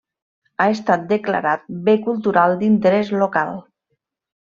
Ha estat declarat Bé Cultural d'Interès Local.